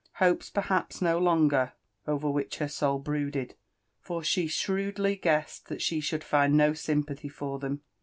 Ml hopes perhaps no longer — over which hdr soul brooded ; ht &he shrewdly guessed (hat she should And no sympathy for tiieml.